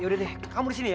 yaudah deh kamu di sini ya